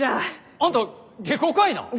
あんた下戸かいな？